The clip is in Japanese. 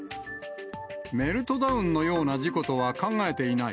メルトダウンのような事故とは考えていない。